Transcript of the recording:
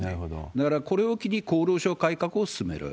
だから、これを機に厚労省改革を進める。